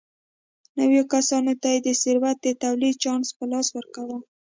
نویو کسانو ته یې د ثروت د تولید چانس په لاس ورکاوه.